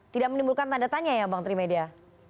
tidak menimbulkan tanda tanya ya bang trimedia